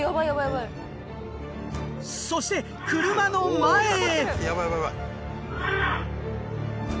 そして車の前へ。